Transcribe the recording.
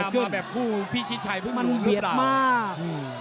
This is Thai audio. มันจะตามมาแบบคู่พี่ชิดชัยเพิ่งรู้หรือเปล่ามันเบียดมาก